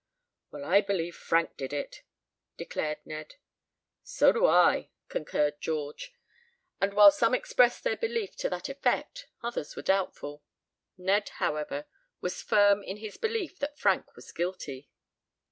"Well, I believe Frank did it," declared Ned. "So do I," concurred George. And while some expressed their belief to that effect, others were doubtful. Ned, however, was firm in his belief that Frank was guilty.